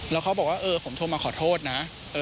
แล้วเขาบอกว่าเออผมโทรมาขอโทษนะ